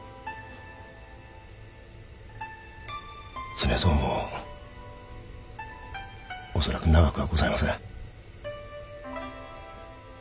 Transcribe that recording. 常蔵もおそらく長くはございません。